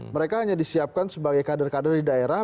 mereka hanya disiapkan sebagai kader kader di daerah